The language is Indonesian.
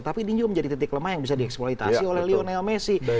tapi ini juga menjadi titik lemah yang bisa dieksploitasi oleh lionel messi